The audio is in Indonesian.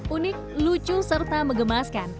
unik lucu serta megemaskan